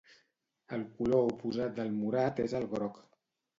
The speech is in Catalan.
El color oposat del morat és el groc.